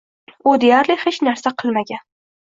U deyarli hech narsa qilmagan.